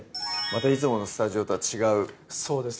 いつものスタジオとは違うそうですね